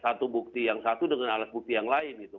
satu bukti yang satu dengan alat bukti yang lain gitu